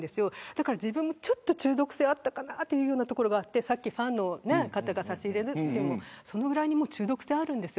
だから、自分もちょっと中毒性あったかなというところがあってさっきファンの方が差し入れるというのもそのぐらい中毒性があるんです。